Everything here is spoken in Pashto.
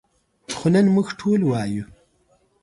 خو نن موږ ټول وایو.